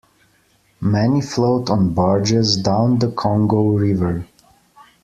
Many float on barges down the Congo River.